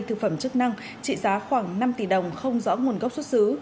thực phẩm chức năng trị giá khoảng năm tỷ đồng không rõ nguồn gốc xuất xứ